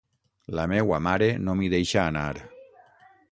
La meua mare no m'hi deixar anar.